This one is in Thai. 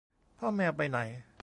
พ่อแมวไปไหน